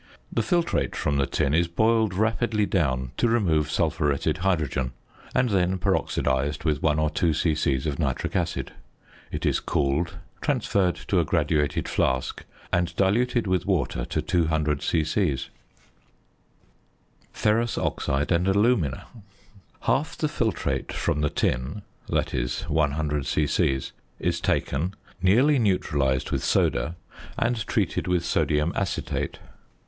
The filtrate from the tin is boiled rapidly down to remove sulphuretted hydrogen; and then peroxidised with 1 or 2 c.c. of nitric acid. It is cooled, transferred to a graduated flask, and diluted with water to 200 c.c. ~Ferrous Oxide and Alumina.~ Half the filtrate from the tin (that is, 100 c.c.) is taken, nearly neutralised with soda, and treated with sodium acetate.